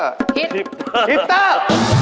ฮิตฮิปเตอร์